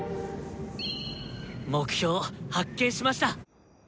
「目標発見しました！」。